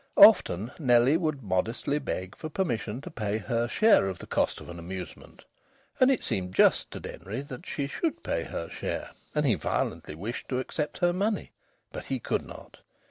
Often Nellie would modestly beg for permission to pay her share of the cost of an amusement. And it seemed just to Denry that she should pay her share, and he violently wished to accept her money, but he could not.